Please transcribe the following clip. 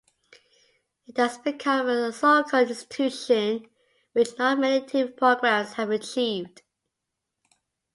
It has become a so-called institution, which not many tv-programs have achieved.